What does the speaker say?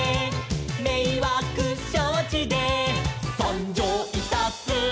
「めいわくしょうちでさんじょういたす」